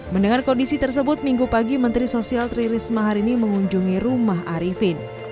mendengar kondisi tersebut minggu pagi menteri sosial tri risma hari ini mengunjungi rumah arifin